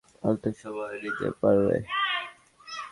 আরেকটু সময় নিতে পারবে?